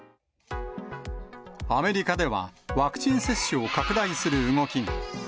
アメリカではワクチン接種を拡大する動きが。